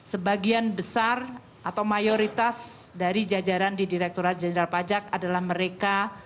sebagian besar atau mayoritas dari jajaran di direkturat jenderal pajak adalah mereka